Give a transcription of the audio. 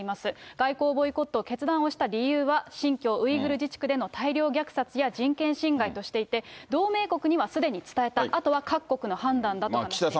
外交ボイコットを決断した理由は、新疆ウイグル自治区での大量虐殺や、人権侵害としていて、同盟国にはすでに伝えたあとは各国の判断だと話しています。